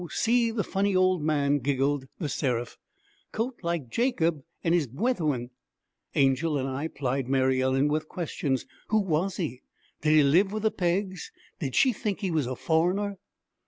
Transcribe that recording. See the funny old man!' giggled The Seraph. 'Coat like Jacob an' his bwethern!' Angel and I plied Mary Ellen with questions. Who was he? Did he live with the Peggs? Did she think he was a foreigner?